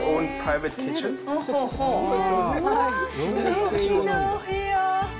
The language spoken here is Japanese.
うわ、すてきなお部屋。